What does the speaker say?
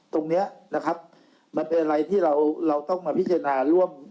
ตรงนี้นะครับมันเป็นอะไรที่เราต้องมาพิจารณาร่วม